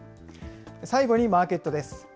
最後にマーケットです。